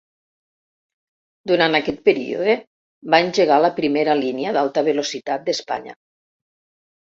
Durant aquest període, va engegar la primera línia d'alta velocitat d'Espanya.